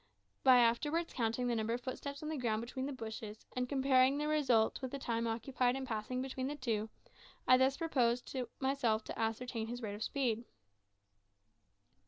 By afterwards counting the number of footsteps on the ground between the bushes, and comparing the result with the time occupied in passing between the two, I thus proposed to myself to ascertain his rate of speed.